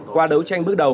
qua đấu tranh bước đầu